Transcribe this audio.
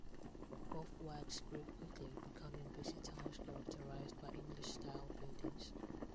Both works grew quickly, becoming busy towns characterized by English-style buildings.